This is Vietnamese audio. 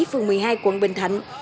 phường một mươi hai quận bình thạnh